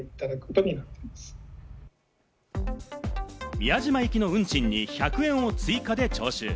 宮島行きの運賃に１００円を追加で徴収。